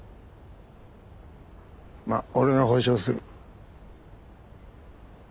まあ俺が保証する。